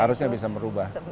harusnya bisa berubah